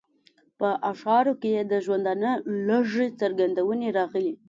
په اشعارو کې یې د ژوندانه لږې څرګندونې راغلې.